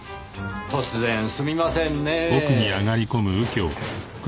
突然すみませんねぇ。